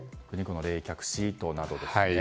冷却シートなどですね。